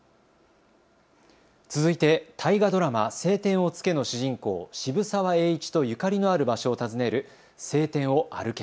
続いて大河ドラマ、青天を衝けの主人公、渋沢栄一とゆかりのある場所を訪ねる青天を歩け！